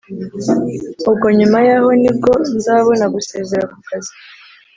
ubwo nyuma yaho nibwo nzabona gusezera ku kazi